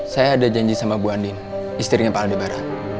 saya ada janji sama bu andien istrinya pak aldebaran